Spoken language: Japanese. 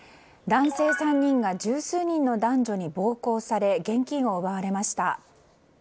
男性３人が十数人の男女に暴行され現金を奪われました。